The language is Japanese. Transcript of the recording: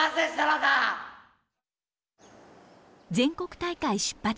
全国大会出発